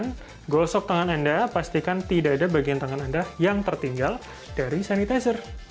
dan ketika menggunakan sehingga seluruh tangan anda pastikan tidak ada bagian tangan anda yang tertinggal dari sanitizer